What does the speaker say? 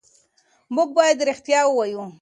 موږ باید رښتیا ووایو.